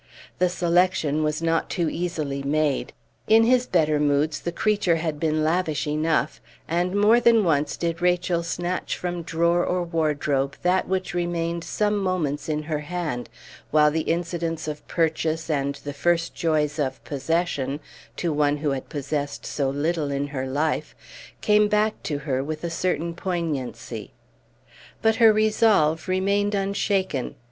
The selection was not too easily made. In his better moods the creature had been lavish enough; and more than once did Rachel snatch from drawer or wardrobe that which remained some moments in her hand, while the incidents of purchase and the first joys of possession, to one who had possessed so little in her life, came back to her with a certain poignancy. But her resolve remained unshaken.